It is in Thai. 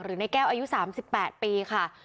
หรือไนแก้วอายุ๓๘ปี